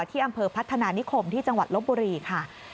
ที่อำเภอพัฒนานิคมที่จังหวัดลบบุรีค่ะ